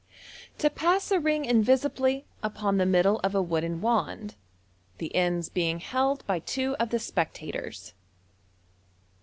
To Pass a Ring invisibly ')fon the Middle op a Wooden Wand, thb Ends being held in two of thb Spectators.